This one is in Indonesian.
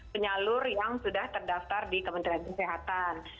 penyalur yang sudah terdaftar di kementerian kesehatan